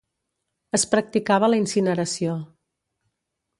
Es practicava la incineració.